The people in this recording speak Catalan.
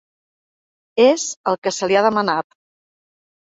És el que se li ha demanat.